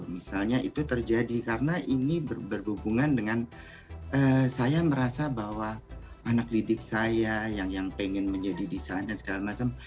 misalnya itu terjadi karena ini berhubungan dengan saya merasa bahwa anak didik saya yang pengen menjadi desain dan segala macam